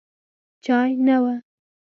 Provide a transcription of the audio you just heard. چای نه و.